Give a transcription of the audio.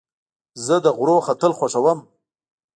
زه د غرونو ختل خوښوم.